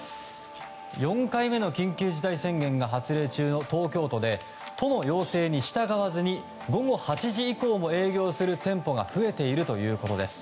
４回目の緊急事態宣言が発令中の東京都で都の要請に従わずに午後８時以降も営業する店舗が増えているということです。